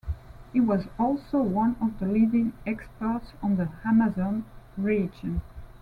He was also one of the leading experts on the Amazon region.